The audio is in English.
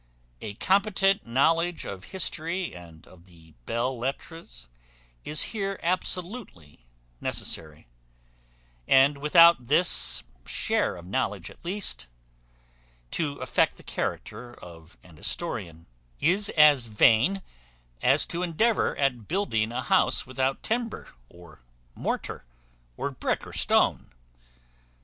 A competent knowledge of history and of the belles lettres is here absolutely necessary; and without this share of knowledge at least, to affect the character of an historian, is as vain as to endeavour at building a house without timber or mortar, or brick or stone.